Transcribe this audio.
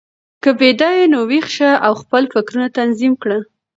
که بیده یې، نو ویښ شه او خپل فکرونه تنظیم کړه.